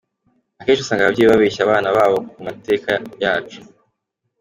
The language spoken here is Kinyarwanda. Akenshi usanga ababyeyi babeshya abana babo ku mateka yacu.